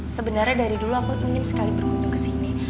sebenarnya dari dulu aku ingin sekali berkunjung ke sini